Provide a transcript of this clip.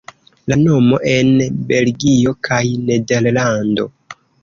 La nomo en Belgio kaj Nederlando.